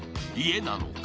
家なのか？